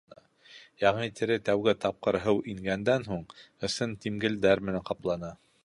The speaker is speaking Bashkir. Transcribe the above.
Яңы тире тәүге тапҡыр һыу ингәндән һуң ысын тимгелдәр менән ҡаплана.